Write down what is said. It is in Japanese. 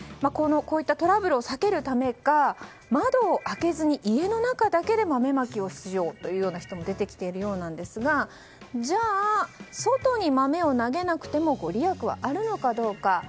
こういったトラブルを避けるためか、窓を開けずに家の中だけで豆まきをしようという人たちも出てきているようなんですがじゃあ、外に豆を投げなくてもご利益はあるのかどうか。